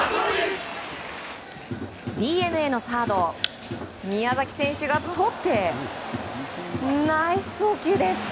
ＤｅＮＡのサード宮崎選手がとってナイス送球です。